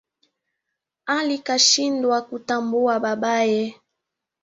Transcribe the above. Ali kashindwa kuntambua babaye